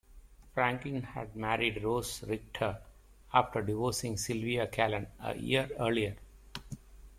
Franklin had married Rose Richter after divorcing Sylvia Calen a year earlier.